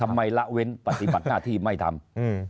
ละเว้นปฏิบัติหน้าที่ไม่ทำ